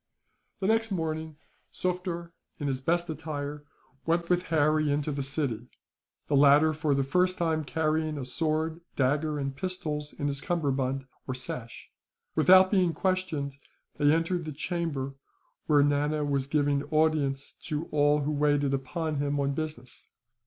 The next morning Sufder, in his best attire, went with Harry into the city; the latter for the first time carrying a sword, dagger and pistols in his cummerbund, or sash. Without being questioned, they entered the chamber were Nana was giving audience to all who waited upon him on business.